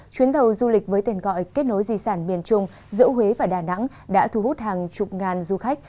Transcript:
chuyến tàu du lịch với tên gọi kết nối di sản miền trung giữa huế và đà nẵng đã thu hút hàng chục ngàn du khách